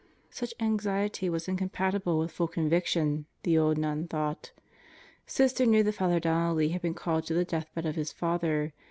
Such anxiety was incompatible with full conviction, the old nun thought Sister knew that Father Donnelly had been called to the deathbed of his father.